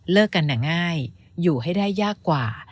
เลิกกันน่ะง่ายอยู่ให้ได้ยากกว่า